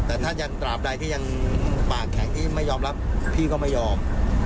แต่ถ้ายังตราบใดที่ยังปากแข็งที่ไม่ยอมรับพี่ก็ไม่ยอม